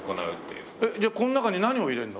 えっじゃあこの中に何を入れるの？